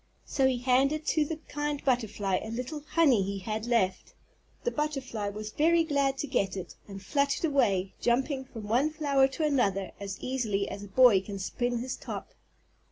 So he handed to the kind butterfly a little honey he had left. The butterfly was very glad to get it, and fluttered away, jumping from one flower to another as easily as a boy can spin his top.